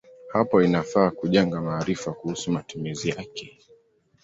Hapo inafaa kujenga maarifa kuhusu matumizi yake.